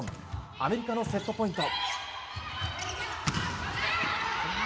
アメリカのセットポイント。